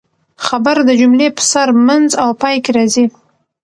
خبر د جملې په سر، منځ او پای کښي راځي.